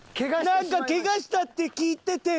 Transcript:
なんかケガしたって聞いてて。